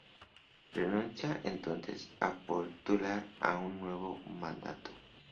Renuncia entonces a postular a un nuevo mandato.